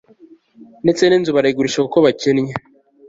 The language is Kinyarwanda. ndetse n'inzu barayigurisha kuko bakennye